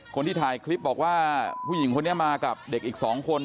คนที่ถ่ายคลิปบอกว่าผู้หญิงคนนี้มากับเด็กอีก๒คน